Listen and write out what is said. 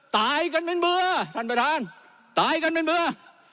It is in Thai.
ตายกันเป็นเบื่อท่านประธานตายกันเป็นเบื่อ